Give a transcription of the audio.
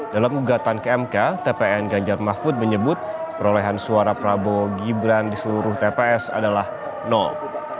dalam ugatan ke mk tpn ganjar mahfud menyebut perolehan suara prabowo gibran di seluruh tps adalah nol